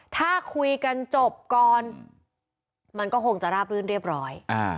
ถ้าคุยกันจบก่อนมันก็คงจะราบรื่นเรียบร้อย